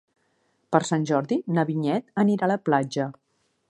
Per Sant Jordi na Vinyet anirà a la platja.